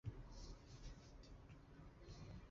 这些作品已到达调性的底线。